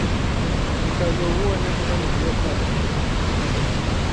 Nikazoghua nekunda niw'uye padri.